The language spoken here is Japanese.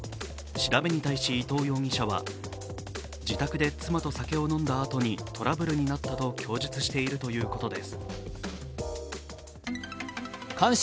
調べに対し伊藤容疑者は自宅で妻と酒を飲んだあとにトラブルになったと供述しているということです。